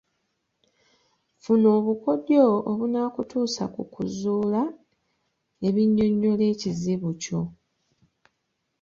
Funa obukodyo obunaakutuusa ku kuzuula ebinnyonnyola ekizibu kyo